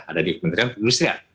ada di kementerian industri